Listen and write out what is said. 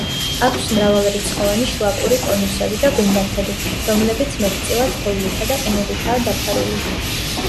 აქვს მრავალრიცხოვანი შლაკური კონუსები და გუმბათები, რომლებიც მეტწილად თოვლითა და ყინულითაა დაფარული.